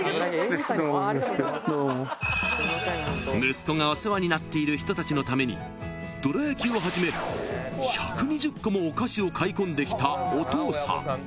［息子がお世話になっている人たちのためにどら焼きをはじめ１２０個もお菓子を買い込んできたお父さん］